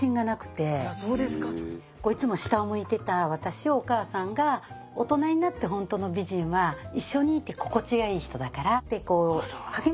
いつも下を向いてた私をお母さんが「大人になってほんとの美人は一緒にいて心地がいい人だから」ってこう励ましてくれて。